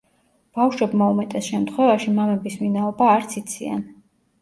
ბავშვებმა უმეტეს შემთხვევაში, მამების ვინაობა არც იციან.